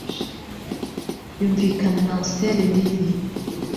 Yunvikana na Auser rill